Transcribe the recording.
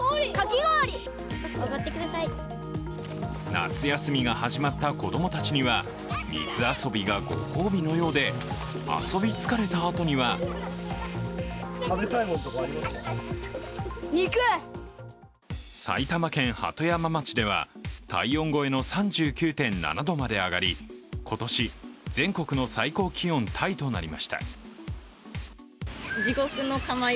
夏休みが始まった子どもたちには水遊びがご褒美のようで遊び疲れたあとには埼玉県鳩山町では体温超えの３９．７度まで上がり今年、全国の最高気温タイとなりました。